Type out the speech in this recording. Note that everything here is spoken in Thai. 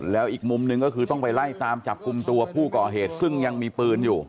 แล้วอีกมุมหนึ่งก็คือต้องไปไล่ตามจับกลุ่มตัวผู้ก่อเหตุซึ่งยังมีปืนอยู่